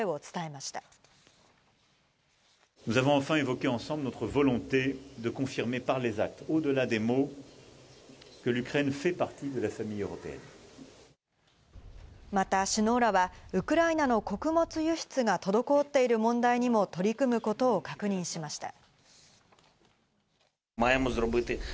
また首脳らは、ウクライナの穀物輸出が滞っている問題にも取り組むことを確認しました。